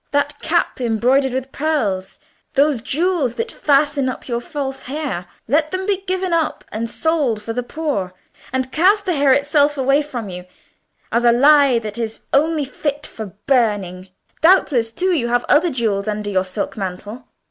That cap embroidered with pearls, those jewels that fasten up your false hair—let them be given up and sold for the poor; and cast the hair itself away from you, as a lie that is only fit for burning. Doubtless, too, you have other jewels under your silk mantle."